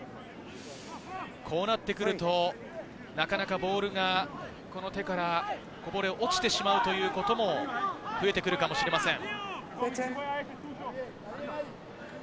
こうなってくるとなかなかボールが、手からこぼれ落ちてしまうということも増えてくるかもしれません。